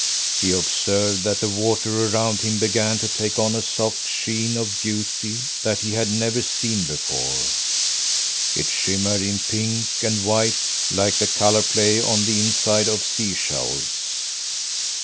He observed that the water around him began to take on a soft sheen, a beauty that he had never seen before. It shimmered in pink and white, like the colour play on the inside of sea shells.